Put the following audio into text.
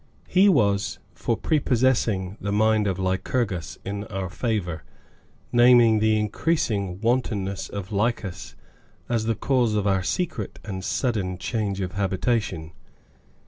He was for prepossessing the mind of Lycurgus in our favor, naming the increasing wantonness of Lycas as the cause of our secret and sudden change of habitation.